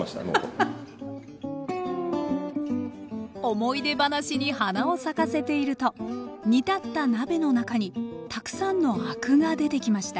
思い出話に花を咲かせていると煮立った鍋の中にたくさんのアクが出てきました